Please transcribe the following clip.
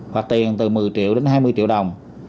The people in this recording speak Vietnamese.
phạt tiền từ một mươi triệu đến hai mươi triệu đồng